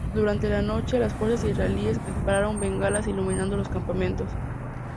Durante la noche, las fuerzas israelíes dispararon bengalas iluminando los campamentos.